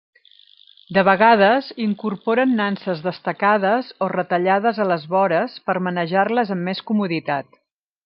De vegades, incorporen nanses destacades o retallades a les vores per manejar-les amb més comoditat.